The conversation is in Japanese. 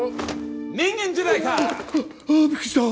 人間じゃないか！